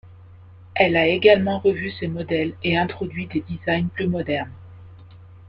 Elle a également revu ses modèles et introduit des designs plus modernes.